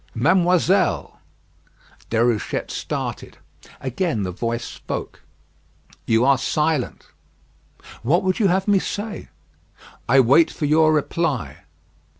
"Mademoiselle!" Déruchette started. Again the voice spoke. "You are silent." "What would you have me say?" "I wait for your reply."